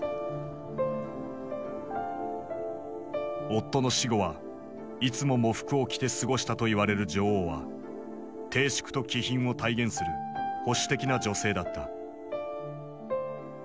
夫の死後はいつも喪服を着て過ごしたといわれる女王は貞淑と気品を体現する保守的な女性だった。